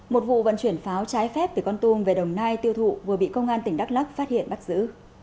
một vụ vận chuyển pháo trái phép từ con tum về đồng nai tiêu thụ vừa bị công an tỉnh đắk lắc phát hiện bắt giữ